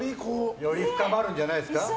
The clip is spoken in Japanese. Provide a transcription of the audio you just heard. より深まるんじゃないですか？